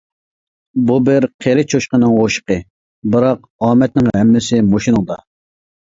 بۇ بىر قېرى چوشقىنىڭ ئوشۇقى، بىراق ئامەتنىڭ ھەممىسى مۇشۇنىڭدا.